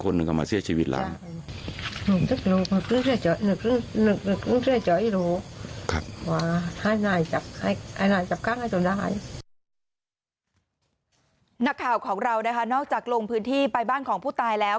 นักข่าวของเรานะคะนอกจากลงพื้นที่ไปบ้านของผู้ตายแล้ว